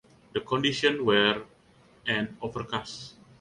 The conditions were and overcast.